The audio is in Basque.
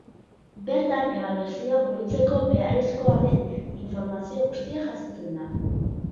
Bertan ebaluazioa burutzeko beharrezkoa den informazio guztia jasotzen da.